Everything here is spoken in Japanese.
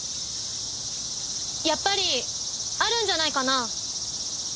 やっぱりあるんじゃないかな。